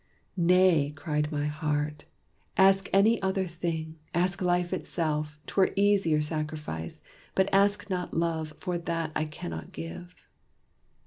"Nay!" cried my heart, "ask any other thing Ask life itself 'twere easier sacrifice. But ask not love, for that I cannot give."